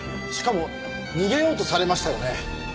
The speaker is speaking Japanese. しかも逃げようとされましたよね？